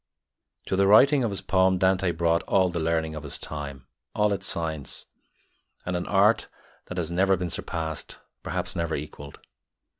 To the writing of his poem Dante brought all the learning of his time, all its science, and an art that has never been surpassed, perhaps never equalled.